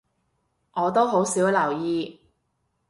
我都好少留意